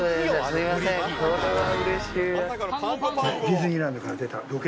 ディズニーランドから出たロケット。